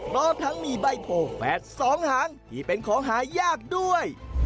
พร้อมทั้งมีใบโพแฝดสองหางที่เป็นของหายากด้วย